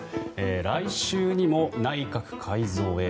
来週にも内閣改造へ。